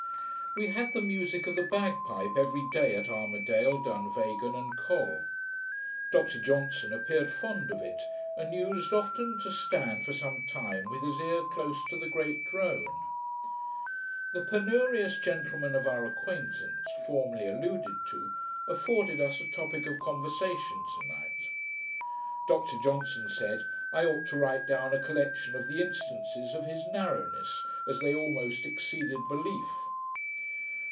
We had the musick of the bagpipe every day, at Armidale, Dunvegan, and Col. Dr Johnson appeared fond of it, and used often to stand for some time with his ear close to the great drone. The penurious gentleman of our acquaintance, formerly alluded to, afforded us a topick of conversation to night. Dr Johnson said, I ought to write down a collection of the instances of his narrowness, as they almost exceeded belief.